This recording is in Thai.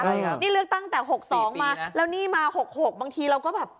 นี่เลือกตั้งแต่หกสองมาแล้วนี่มา๖๖บางทีเราก็แบบ